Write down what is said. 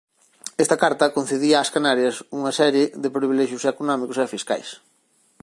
Esta Carta concedía ás Canarias unha serie de privilexios económicos e fiscais.